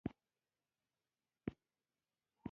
زیتون ددې خلکو مقدسه ونه ده ځکه هر ځای لیدل کېږي.